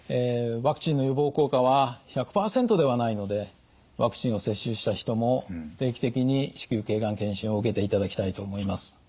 ワクチンの予防効果は１００％ではないのでワクチンを接種した人も定期的に子宮頸がん検診を受けていただきたいと思います。